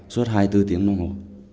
suốt hai bốn tiếng đồng hồ